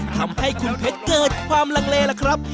ทำให้คุณเพชรเกิดความลังเลล่ะครับ